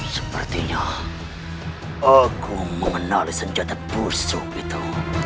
sepertinya aku mengenali senjata busuk itu